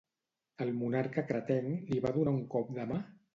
El monarca cretenc li va donar un cop de mà?